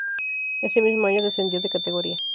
Ese mismo año descendió de categoría.